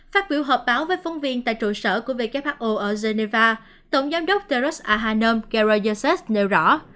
phát biểu họp báo với phóng viên tại trụ sở của who ở geneva tổng giám đốc tedros ahanom kerryasese nêu rõ